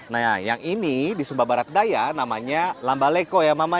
nah yang ini di sumba barat daya namanya lambaleko ya mama ya